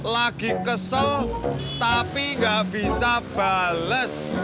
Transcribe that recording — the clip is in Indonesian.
lagi kesel tapi nggak bisa bales